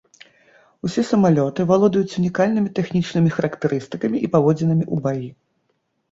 Усе самалёты валодаюць унікальнымі тэхнічнымі характарыстыкамі і паводзінамі ў баі.